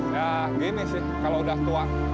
ya gini sih kalau udah tua